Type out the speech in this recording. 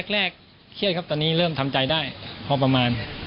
แรกเครียดครับตอนนี้เริ่มทำใจได้พอประมาณ